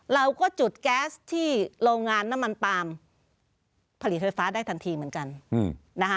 เราก็จุดแก๊สที่โรงงานน้ำมันปาล์มผลิตไฟฟ้าได้ทันทีเหมือนกันนะคะ